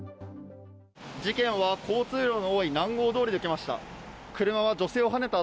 事件は交通量の多い南郷通で起きました。